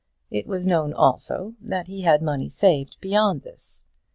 It was known also that he had money saved beyond this.